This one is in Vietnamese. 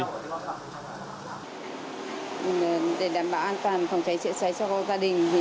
để đảm bảo an toàn phòng cháy chữa cháy cho gia đình